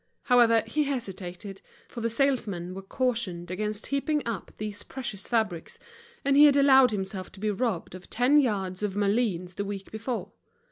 However, he hesitated, for the salesmen were cautioned against heaping up these precious fabrics, and he had allowed himself to be robbed of ten yards of Malines the week before.